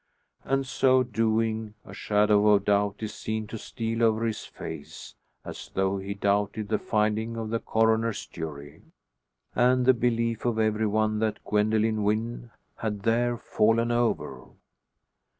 And so doing, a shadow of doubt is seen to steal over his face, as though he doubted the finding of the Coroner's jury, and the belief of every one that Gwendoline Wynn had there fallen over.